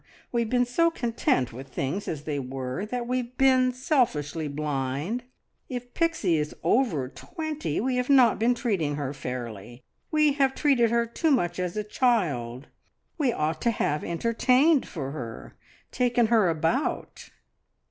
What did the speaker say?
We have been so content with things as they were that we've been selfishly blind. If Pixie is over twenty we have not been treating her fairly. We have treated her too much as a child. We ought to have entertained for her, taken her about."